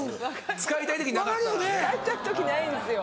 使いたい時ないんですよ。